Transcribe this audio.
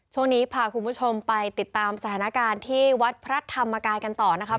ช่วงนี้พาคุณผู้ชมไปติดตามสถานการณ์ที่วัดพระธรรมกายกันต่อนะครับ